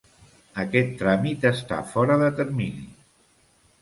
Aquest tràmit està fora de termini.